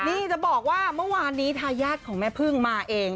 นี่จะบอกว่าเมื่อวานนี้ทายาทของแม่พึ่งมาเอง